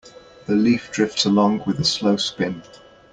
The leaf drifts along with a slow spin.